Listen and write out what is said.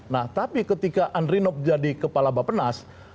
nah tapi ketika andri nob jadi kepala bapenas